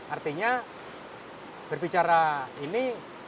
artinya berbicara ini